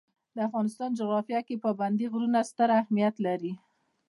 د افغانستان جغرافیه کې پابندی غرونه ستر اهمیت لري.